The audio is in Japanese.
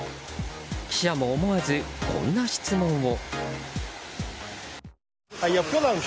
記者も思わず、こんな質問を。